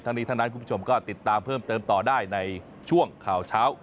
นี้ทั้งนั้นคุณผู้ชมก็ติดตามเพิ่มเติมต่อได้ในช่วงข่าวเช้า